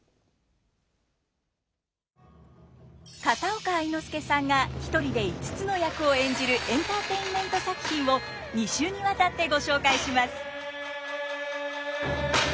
片岡愛之助さんが一人で５つの役を演じるエンターテインメント作品を２週にわたってご紹介します。